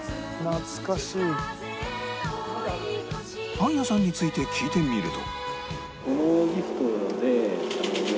パン屋さんについて聞いてみると